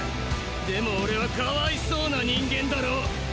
でも俺はかわいそうな人間だろ！？